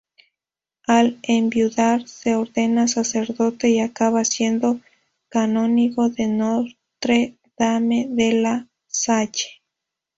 Al enviudar, se ordena sacerdote y acaba siendo canónigo de Notre-Dame de la Salle.